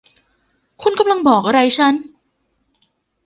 คุณกำลังบอกอะไรฉัน